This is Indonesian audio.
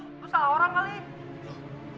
lu salah orang kali ya